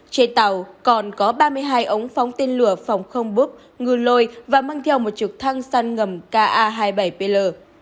trên tàu còn có ba mươi hai ống phóng tên lửa phòng không búp ngư lô lôi và mang theo một trực thăng săn ngầm ca hai mươi bảy pl